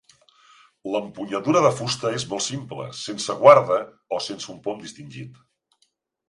L'empunyadura de fusta és molt simple, sense guarda o sense un pom distingit.